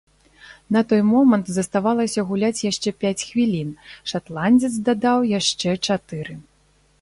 На той момант заставалася гуляць яшчэ пяць хвілін, шатландзец дадаў яшчэ чатыры.